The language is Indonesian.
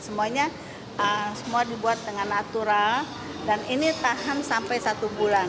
semuanya semua dibuat dengan natural dan ini tahan sampai satu bulan